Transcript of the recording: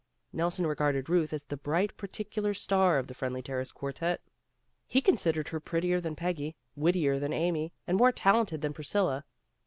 Nelson regarded Ruth as the bright particular star of the Friendly Terrace quartette. He considered her prettier than Peggy, wittier than Amy, and more talented than Priscilla.